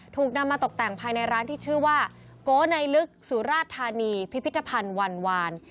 ถูกนำมาตกแต่งภายในร้านที่ชื่อว่าโกในลึกสุราชธานีพิพิธภัณฑ์วันวาน